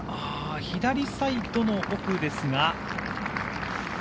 左サイドの奥ですが。